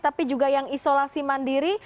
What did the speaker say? tapi juga yang isolasi mandiri